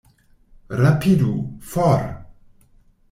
Rapidu, for!